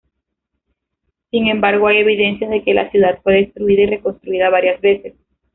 Sin embargo hay evidencias de que la ciudad fue destruida y reconstruida varias veces.